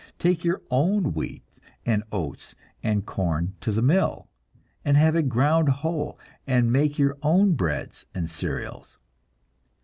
Take your own wheat and oats and corn to the mill, and have it ground whole, and make your own breads and cereals.